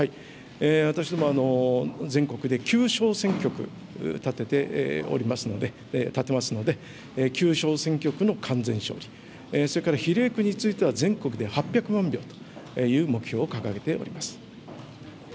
私ども、全国で９小選挙区立てておりますので、立てますので、９小選挙区の完全勝利、それから比例区については、全国で８００万票という目標を掲げております。